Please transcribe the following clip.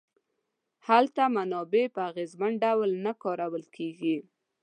هلته منابع په اغېزمن ډول نه کارول کیږي.